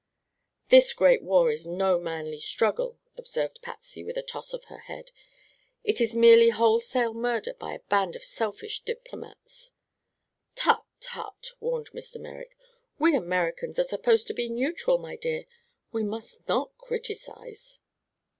"This great war is no manly struggle," observed Patsy with a toss of her head. "It is merely wholesale murder by a band of selfish diplomats." "Tut tut!" warned Mr. Merrick; "we Americans are supposed to be neutral, my dear. We must not criticize."